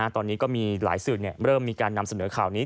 ตอนนี้ก็มีหลายสื่อเริ่มมีการนำเสนอข่าวนี้